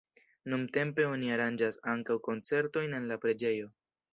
Nuntempe oni aranĝas ankaŭ koncertojn en la preĝejo.